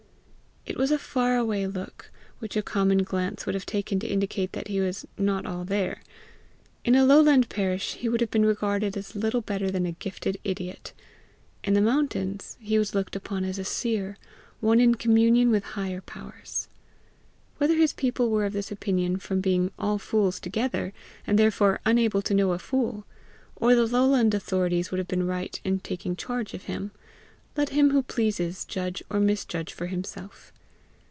It was a far away look, which a common glance would have taken to indicate that he was "not all there." In a lowland parish he would have been regarded as little better than a gifted idiot; in the mountains he was looked upon as a seer, one in communion with higher powers. Whether his people were of this opinion from being all fools together, and therefore unable to know a fool, or the lowland authorities would have been right in taking charge of him, let him who pleases judge or misjudge for himself.